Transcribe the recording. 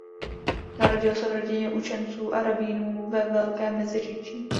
Narodil se v rodině učenců a rabínů ve Velkém Meziříčí.